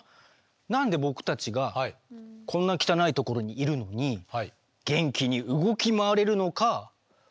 何で僕たちがこんな汚いところにいるのに元気に動き回れるのか不思議に思わないＧか？